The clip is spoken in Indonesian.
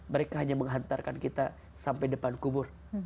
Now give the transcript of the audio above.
mereka hanya menghantarkan kita sampai depan kubur